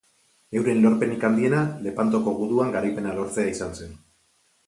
Euren lorpenik handiena Lepantoko guduan garaipena lortzea izan zen.